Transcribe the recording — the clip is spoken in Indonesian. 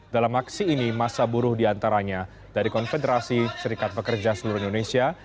dalam aksi ini masa buruh diantaranya dari konfederasi serikat pekerja seluruh indonesia